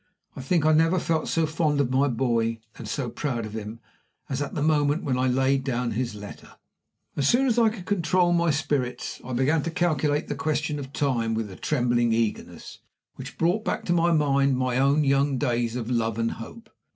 I think I never felt so fond of my boy, and so proud of him, as at the moment when I laid down his letter. As soon as I could control my spirits, I began to calculate the question of time with a trembling eagerness, which brought back to my mind my own young days of love and hope.